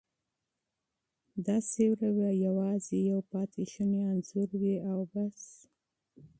دا سیوری به یوازې یو پاتې شونی انځور وي او بس.